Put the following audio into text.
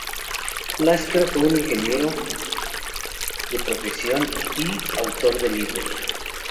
Lasker fue un ingeniero de profesión y autor de libros.